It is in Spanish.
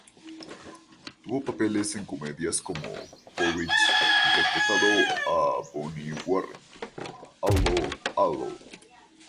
Tuvo papeles en comedias como "Porridge" interpretando a Bunny Warren, "'Allo 'Allo!